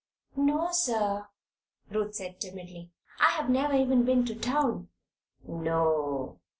"No, sir," Ruth said, timidly. "I have never even been to town." "No.